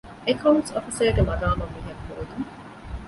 އެކައުންޓްސް އޮފިސަރގެ މަގާމަށް މީހަކު ހޯދުން